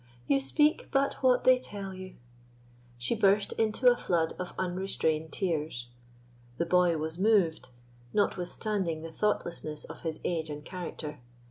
you speak but what they tell you" she burst into a flood of unrestrained tears. The boy was moved, notwithstanding the thoughtlessness of his age and character.